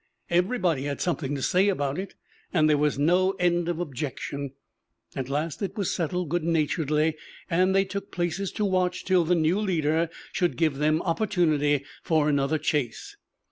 Everybody had something to say about it; and there was no end of objection. At last it was settled good naturedly, and they took places to watch till the new leader should give them opportunity for another chase.